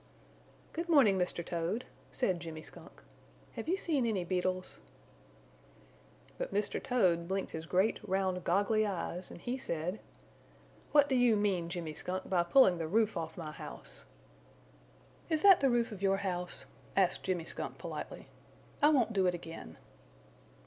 "Good morning, Mr. Toad," said Jimmy Skunk. "Have you seen any beetles?" But Mr. Toad blinked his great round goggly eyes and he said: "What do you mean, Jimmy Skunk, by pulling the roof off my house?" "Is that the roof of your house?" asked Jimmy Skunk politely. "I won't do it again."